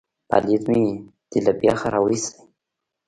_پالېز مې دې له بېخه را وايست.